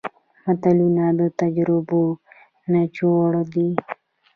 متلونه د تجربو نچوړ دی